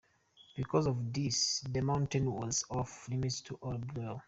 Because of this, the mountain was off limits to all below.